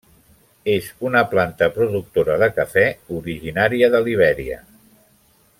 És una planta productora de cafè originària de Libèria.